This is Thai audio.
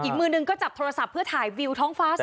มือหนึ่งก็จับโทรศัพท์เพื่อถ่ายวิวท้องฟ้า